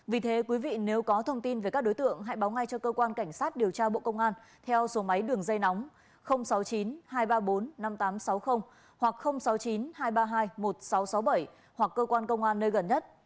vì thế quý vị nếu có thông tin về các đối tượng hãy báo ngay cho cơ quan cảnh sát điều tra bộ công an theo số máy đường dây nóng sáu mươi chín hai trăm ba mươi bốn năm nghìn tám trăm sáu mươi hoặc sáu mươi chín hai trăm ba mươi hai một nghìn sáu trăm sáu mươi bảy hoặc cơ quan công an nơi gần nhất